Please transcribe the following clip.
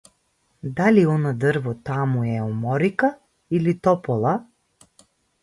Дали она дрво таму е оморика или топола?